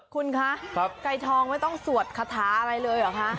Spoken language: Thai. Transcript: คุณคะไก่ทองไม่ต้องสวดคาถาอะไรเลยเหรอคะ